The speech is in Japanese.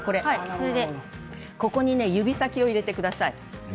ここに指先を入れてください。